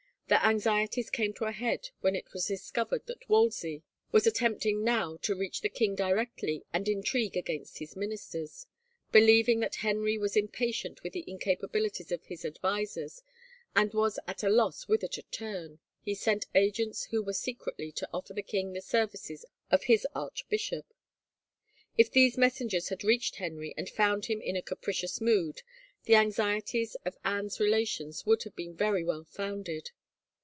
Their anxieties came to a head when it was discovered that Wolsey was 230 HOPE DEFERRED attempting now to reach the king directly and intrigue against his ministers; believing that Henry was impa tient with the incapabilities of his advisers and was at a loss whither to turn, he sent agents who were secretly to offer the king the services of his archbishop. If these messengers had reached Henry and found him in a capri cious mood the anxieties of Anne's relations would have been very well founded.